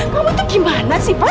kamu itu gimana sih van